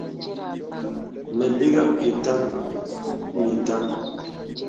Mə liŋhəŋ itām ni itām.